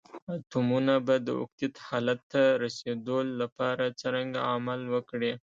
اتومونه به د اوکتیت حالت ته رسیدول لپاره څرنګه عمل وکړي؟